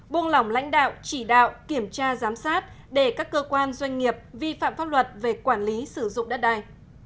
buông lỏng lãnh đạo chỉ đạo kiểm tra giám sát để các cơ quan doanh nghiệp vi phạm pháp luật về quản lý sử dụng đất đai